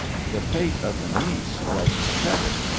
The fate of the niece was pathetic.